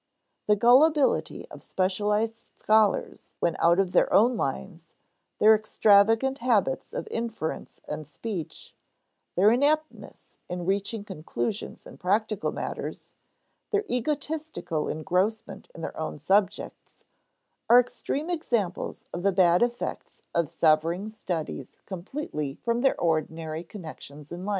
The gullibility of specialized scholars when out of their own lines, their extravagant habits of inference and speech, their ineptness in reaching conclusions in practical matters, their egotistical engrossment in their own subjects, are extreme examples of the bad effects of severing studies completely from their ordinary connections in life.